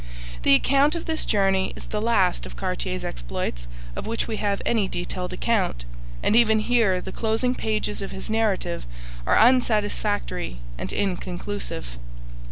The account of this journey is the last of Cartier's exploits of which we have any detailed account, and even here the closing pages of his narrative are unsatisfactory and inconclusive.